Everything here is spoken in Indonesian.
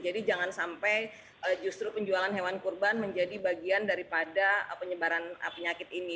jangan sampai justru penjualan hewan kurban menjadi bagian daripada penyebaran penyakit ini